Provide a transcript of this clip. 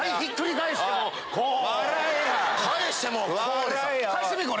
返してみこれ。